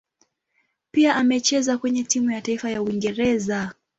Pia amecheza kwenye timu ya taifa ya Uingereza.